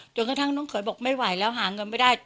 จนกระทั่งน้องเขยบอกไม่ไหวแล้วหาเงินไม่ได้